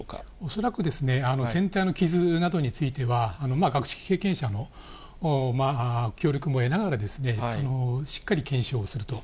恐らく、船体の傷などについては、学識経験者の協力も得ながら、しっかり検証すると。